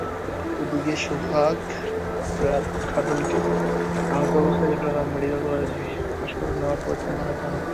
এদিকে, সোহাগ খাতুনকে আহত অবস্থায় চট্টগ্রাম মেডিকেল কলেজ হাসপাতালে নেওয়ার পথে মারা যান।